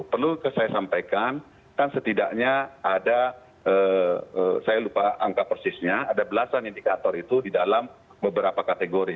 perlu saya sampaikan kan setidaknya ada saya lupa angka persisnya ada belasan indikator itu di dalam beberapa kategori